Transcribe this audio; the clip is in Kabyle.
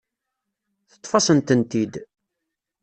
Teṭṭef-asen-tent-id.